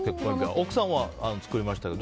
奥さんは作りましたけど。